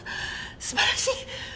素晴らしい！